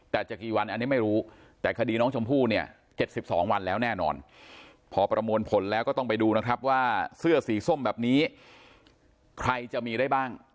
แต่จะกี่วันอันนี้ไม่รู้แต่คดีน้องชมพู่เนี่ย๗๒วันแล้วแน่นอนพอประมวลผลแล้วก็ต้องไปดูนะครับว่าเสื้อสีส้มแบบนี้ใครจะมีได้บ้าง